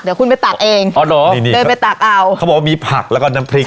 เดี๋ยวคุณไปตักเองอ๋อเหรอเดินไปตักเอาเขาบอกว่ามีผักแล้วก็น้ำพริก